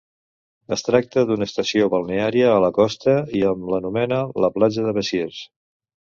Es tracta d'una estació balneària a la costa i hom l'anomena la platja de Besiers.